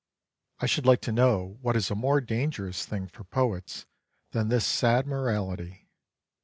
I should like to know what is a more dangerous thing for poets than this sad morality.